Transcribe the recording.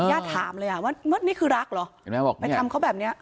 ญาติถามเลยว่านี่คือรักเหรอไปทำเขาแบบนี้